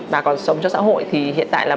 mà còn sống cho xã hội thì hiện tại là